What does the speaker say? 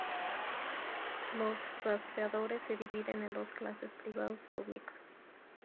Los rastreadores se dividen en dos clases, privados y públicos.